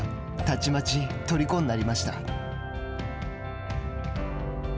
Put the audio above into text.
たちまち、とりこになりました。